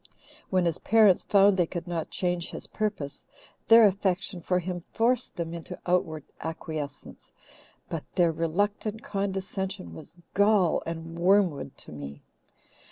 "When his parents found they could not change his purpose, their affection for him forced them into outward acquiescence, but their reluctant condescension was gall and wormwood to me.